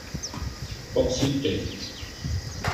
Foxy Lady